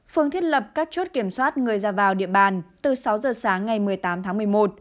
phương thiết lập các chốt kiểm soát người ra vào địa bàn từ sáu giờ sáng ngày một mươi tám tháng một mươi một